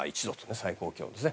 最高気温ですね。